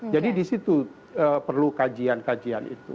di situ perlu kajian kajian itu